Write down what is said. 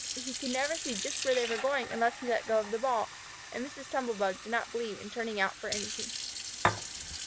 He could never see just where they were going unless he let go of the ball, and Mrs. Tumble bug did not believe in turning out for anything.